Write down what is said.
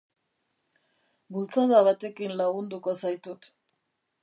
Bultzada batekin lagunduko zaitut.